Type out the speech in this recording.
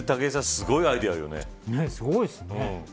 すごいですね。